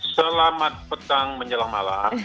selamat petang menjelang malam